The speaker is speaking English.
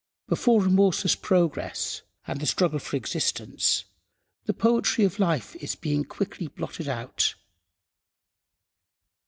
Before remorseless "progress," and the struggle for existence, the poetry of life is being quickly blotted out.